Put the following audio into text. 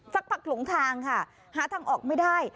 สักพักหลงทางค่ะหาทางออกไม่ได้